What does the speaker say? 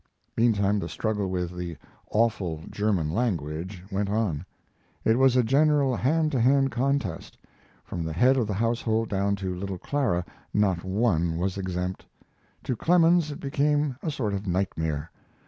Meantime, the struggle with the "awful German language" went on. It was a general hand to hand contest. From the head of the household down to little Clara not one was exempt. To Clemens it became a sort of nightmare.